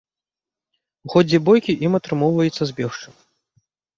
У ходзе бойкі ім атрымоўваецца збегчы.